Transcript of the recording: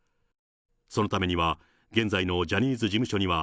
そのためには、現在のジャニーズ事務所には、